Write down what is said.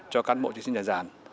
cho cán bộ chiến gia đã